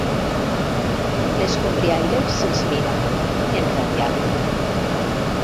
L'escombriaire se'ls mira, enrabiat.